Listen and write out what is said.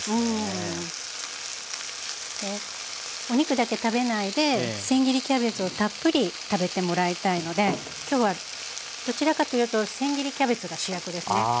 お肉だけ食べないでせん切りキャベツをたっぷり食べてもらいたいのできょうはどちらかというとせん切りキャベツが主役ですね。